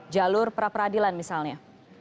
jalur pra peradilan misalnya